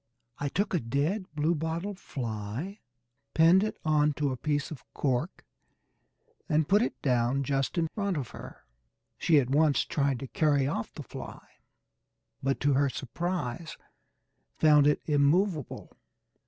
I took a dead bluebottle fly, pinned it on to a piece of cork, and put it down just in front of her. She at once tried to carry off the fly, but to her surprise found it immovable.